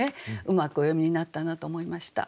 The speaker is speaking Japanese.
うまくお詠みになったなと思いました。